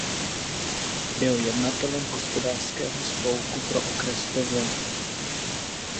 Byl jednatelem Hospodářského spolku pro okres Plzeň.